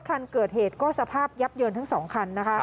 คันเกิดเหตุก็สภาพยับเยินทั้ง๒คันนะคะ